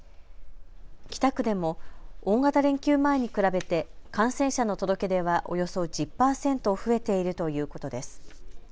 北区でも大型連休前に比べて感染者の届け出はおよそ１０％増えているということです。